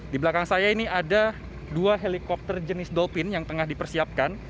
di belakang saya ini ada dua helikopter jenis dolpin yang tengah dipersiapkan